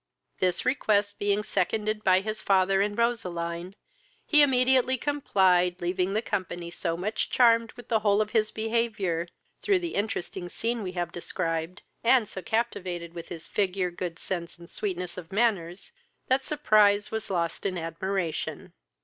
This request being seconded by his father and Roseline, he immediately complied, leaving the company so much charmed with the whole of his behaviour, through the interesting scene we have described, and so captivated with his figure, good sense, and sweetness of manners, that surprise was lost in admiration.